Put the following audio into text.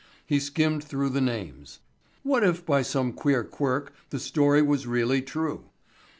He skimmed through the names. What if by some queer quirk the story was really true?